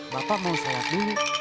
bapak mau sholat dulu